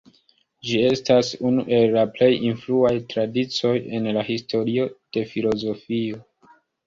Ĝi estas unu el la plej influaj tradicioj en la historio de filozofio.